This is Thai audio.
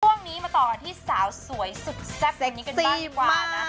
ช่วงนี้มาต่อที่สาวสวยสุดแซ่บกว่านี้กันได้ดีกว่านะ